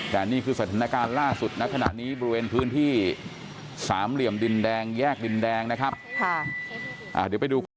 แต่นี่คือสถานการณ์ล่าสุดณขณะนี้บริเวณพื้นที่สามเหลี่ยมดินแดงแยกดินแดงนะครับเดี๋ยวไปดูคลิป